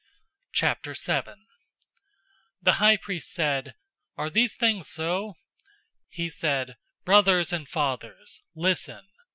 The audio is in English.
007:001 The high priest said, "Are these things so?" 007:002 He said, "Brothers and fathers, listen.